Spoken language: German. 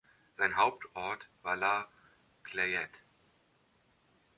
Sein Hauptort war La Clayette.